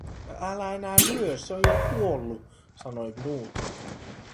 "Ä-älä enää lyö, se on jo kuollu", sanoi Knut.